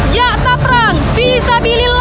ya tak perang bisa bilillah